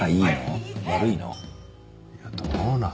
いやどうなの？